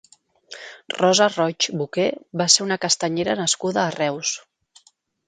Rosa Roig Boqué va ser una castanyera nascuda a Reus.